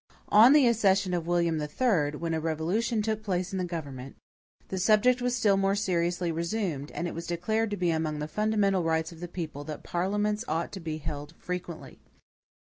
On the accession of William III, when a revolution took place in the government, the subject was still more seriously resumed, and it was declared to be among the fundamental rights of the people that parliaments ought to be held FREQUENTLY.